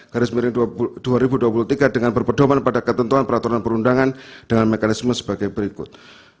garis miring dua ribu dua puluh tiga dengan berpedoman pada ketentuan peraturan perundangan dengan mekanisme sebagai berikut